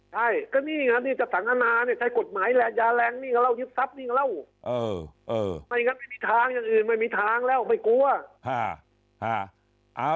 ใช่ก็นี่นะที่จะสังขยะนาใช้กฎหมายแหลกยาแรงนี่กับเรายึดทรัพย์นี่กับเรา